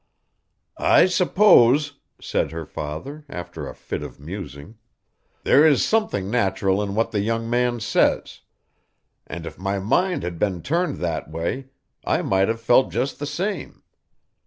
'I suppose,' Said her father, after a fit of musing, 'there is something natural in what the young man says; and if my mind had been turned that way, I might have felt just the same.